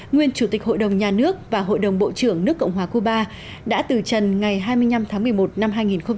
nguyên chủ tịch hội đồng nhà nước và hội đồng bộ trưởng nước cộng hòa cuba đã từ trần ngày hai mươi năm tháng một mươi một năm hai nghìn một mươi ba